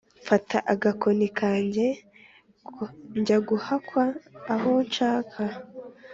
Mfate agakoni kanjyeNjye guhakwa aho nshaka